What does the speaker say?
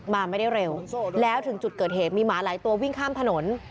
มาไม่ได้เร็วแล้วถึงจุดเกิดเหตุมีหมาหลายตัววิ่งข้ามถนน